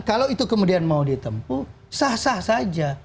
kalau itu kemudian mau ditempu sah sah saja